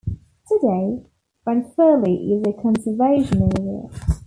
Today Ranfurly is a conservation area.